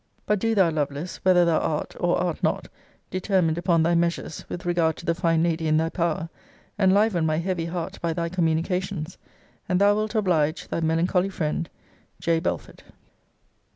But do thou, Lovelace, whether thou art, or art not, determined upon thy measures with regard to the fine lady in thy power, enliven my heavy heart by thy communications; and thou wilt oblige Thy melancholy friend, J. BELFORD.